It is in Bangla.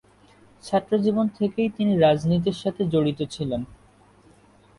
ছাত্র জীবন থেকেই তিনি রাজনীতির সাথে জড়িত ছিলেন।